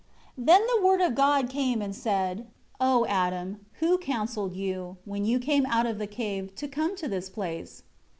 1 Then the Word of God came and said: 2 "O Adam, who counselled you, when you came out of the cave, to come to this place?"